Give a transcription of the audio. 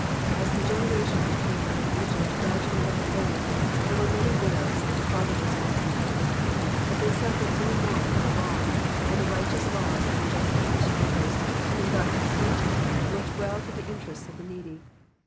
As the generation which came out of Egypt gradually died away, there were many widows and fatheiless ones in the camp, but they suffered no want or wrong, for the righteous laws and the just administrators whom God had appointed, looked well to the interests of the needy.